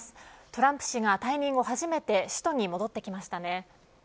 トランプ氏が退任後初めて首都に戻ってきましたね。